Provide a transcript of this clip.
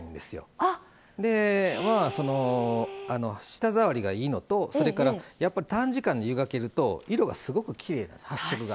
舌触りがいいのとそれからやっぱり短時間で湯がけると色がすごくきれいです。